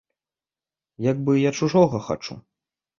Як бы я чужога хачу!